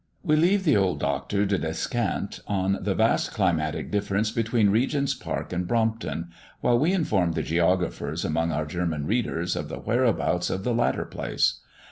We leave the old Doctor to descant on the vast climatic difference between Regent's Park and Brompton, while we inform the geographers among our German readers of the whereabouts of the latter place.